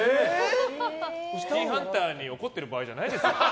「シティーハンター」に怒ってる場合じゃないですよ。